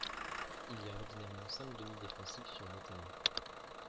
Il y a ordinairement cinq demis défensifs sur le terrain.